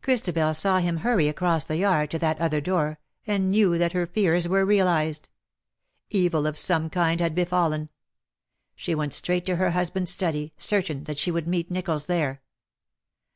Christabel saw him hurry across the yard to that other door, and knew that her fears were realized. Evil of some kind had befallen. She went straight to her husband^s study, certain that she would meet ]^Jicholls there.